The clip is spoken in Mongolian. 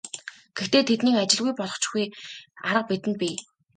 Гэхдээ тэднийг ажилгүй болгочихгүй арга бидэнд бий.